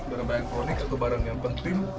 barang barang elektronik atau barang yang penting